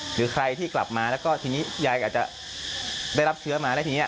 หรือใครที่เขากลับมาแล้วคงได้รับเชื้อมา